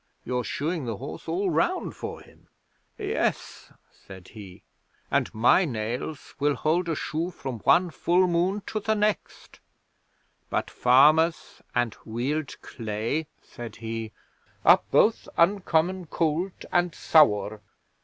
You're shoeing the horse all round for him." '"Yes," said he, "and my nails will hold a shoe from one full moon to the next. But farmers and Weald clay," said he, "are both uncommon cold and sour."